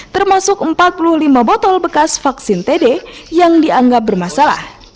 termasuk empat puluh lima botol bekas vaksin td yang dianggap bermasalah